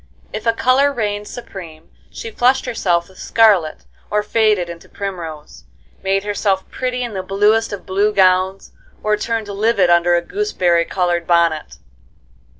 If a color reigned supreme she flushed herself with scarlet or faded into primrose, made herself pretty in the bluest of blue gowns, or turned livid under a gooseberry colored bonnet.